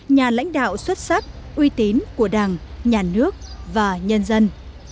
nhà lãnh đạo xuất sắc uy tín của đảng nhà nước và nhân dân